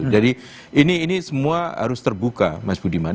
jadi ini semua harus terbuka mas budiman